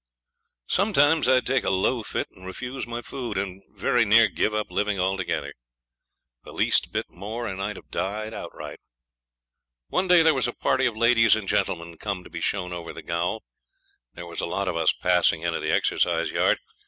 Sometimes I'd take a low fit and refuse my food, and very near give up living altogether. The least bit more, and I'd have died outright. One day there was a party of ladies and gentlemen came to be shown over the gaol. There was a lot of us passing into the exercise yard.